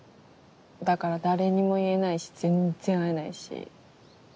だから誰にも言えないし全然会えないし。